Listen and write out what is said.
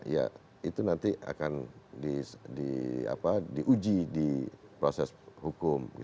ya itu nanti akan diuji di proses hukum